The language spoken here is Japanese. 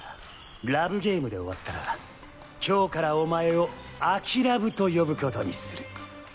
ラブゲームで終わったら今日からお前をアキラブと呼ぶことにする。